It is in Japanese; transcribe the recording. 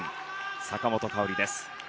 坂本花織です。